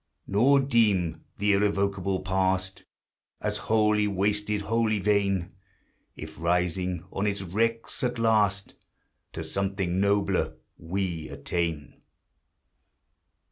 Nor deem the irrevocable Past As whollv wasted, whollv vain, If, rising on its wrecks, at last To something nobler we attain.